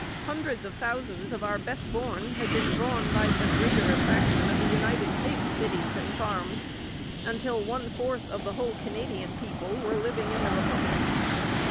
Hundreds of thousands of our best born had been drawn by the greater attraction of United States cities and farms, until one fourth of the whole Canadian people were living in the Republic.